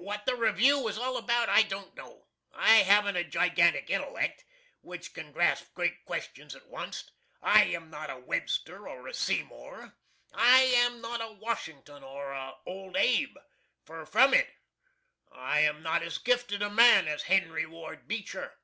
What the review was all about, I don't know. I haven't a gigantic intelleck, which can grasp great questions at onct. I am not a WEBSTER or a SEYMOUR. I am not a WASHINGTON or a OLD ABE. Fur from it. I am not as gifted a man as HENRY WARD BEECHER.